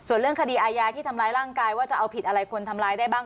ส่วนเรื่องคดีอาญาที่ทำร้ายร่างกายว่าจะเอาผิดอะไรคนทำร้ายได้บ้าง